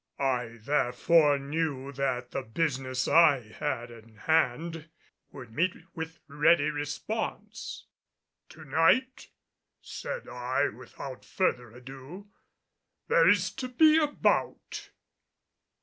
I therefore knew that the business I had in hand would meet with ready response. "To night," said I, without further ado, "there is to be a bout."